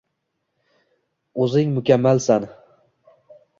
O‘zing mukammalsan.